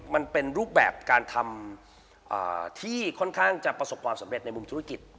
มันเป็นรูปแบบการทำที่ค่อนข้างจะประสบความสำเร็จในมุมธุรกิจ